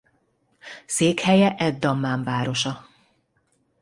Székhelye ed-Dammám városa.